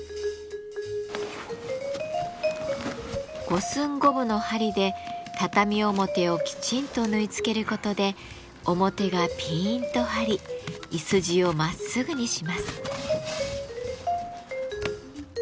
五寸五分の針で畳表をきちんと縫い付けることで表がピンと張りいすじをまっすぐにします。